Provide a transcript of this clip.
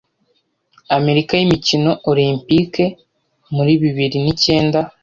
Amerika y'imikino Olempike muri bibiri nicyenda